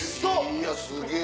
いやすげぇ。